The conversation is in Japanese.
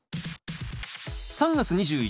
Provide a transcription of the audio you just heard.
３月２１日